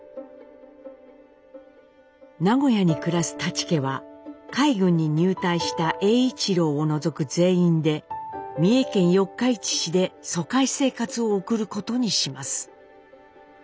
名古屋に暮らす舘家は海軍に入隊した栄一郎を除く全員で三重県四日市市で疎開生活を送ることにします。